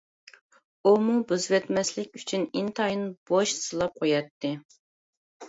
ئۇمۇ بۇزۇۋەتمەسلىك ئۈچۈن ئىنتايىن بوش سىلاپ قوياتتى.